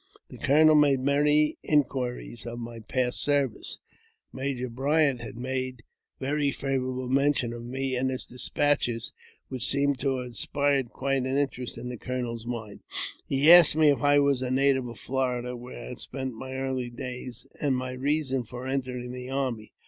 The colonel made many inquiries of my past service. Major Bryant had made very favourable mention of me in his des patches, which seemed to have inspired quite an interest in 340 AUTOBIOGBAPHY OF the colonel's mind. He asked me if I was a native of Florida, where I had spent my early days, and my reason for entering the army.